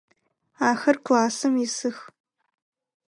Ахэр классым исых.